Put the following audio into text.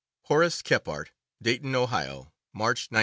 Horace Kephart. Dayton, Ohio March, 1906.